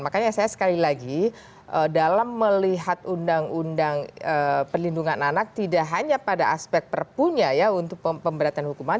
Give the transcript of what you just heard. makanya saya sekali lagi dalam melihat undang undang perlindungan anak tidak hanya pada aspek perpunya ya untuk pemberatan hukuman